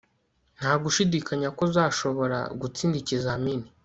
nta gushidikanya ko uzashobora gutsinda ikizamini